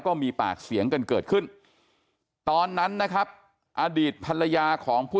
ก็มีปากเสียงกันเกิดขึ้นตอนนั้นนะครับอดีตภรรยาของผู้